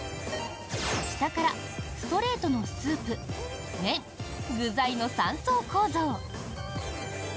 下から、ストレートのスープ麺、具材の３層構造。